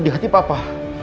di hati papa